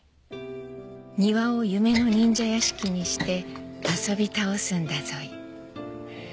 「庭を夢の忍者屋敷にして遊び倒すんだぞい」